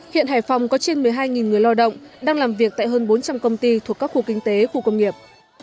hiện hải phòng có trên một mươi hai người lao động đang làm việc tại hơn bốn trăm linh công ty thuộc các khu kinh tế khu công nghiệp